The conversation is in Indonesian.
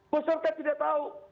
peserta tidak tahu